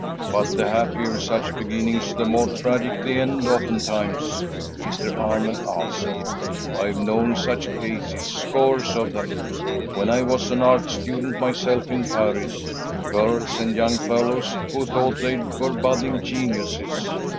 "But the happier such beginnings, the more tragic the end, oftentimes," Mr. Armond answered. "I've known such cases, scores of them, when I was an art student myself in Paris. Girls and young fellows who thought they were budding geniuses.